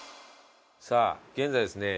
さあ現在ですね